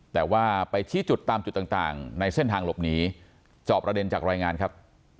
แต่ว่าไปชี้จุดตามจุดต่างในเส้นทางหลบหนีจอบประเด็นจากรายงานครับ